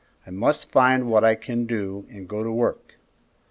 I must find what I can do and go to work."